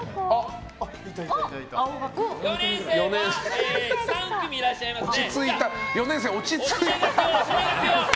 ４年生は３組いらっしゃいますね。